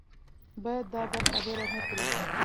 باید دا برخه هېره نه کړو.